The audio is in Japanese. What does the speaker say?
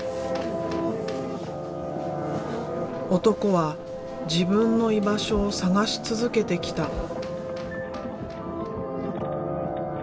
男は自分の居場所を探し続けてきた。